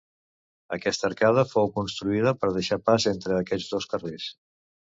Aquesta arcada fou construïda per deixar pas entre aquests dos carrers.